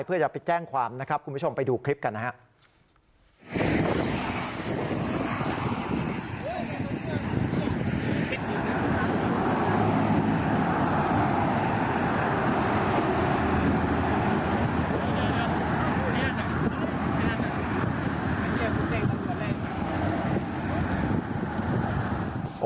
เพื่อจะไปแจ้งความนะครับคุณผู้ชมไปดูคลิปกันนะครับ